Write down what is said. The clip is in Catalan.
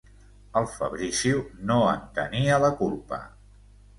El Fabrizio no en tenia la culpa.